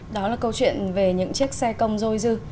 đó là câu chuyện về những chiếc xe công dôi dư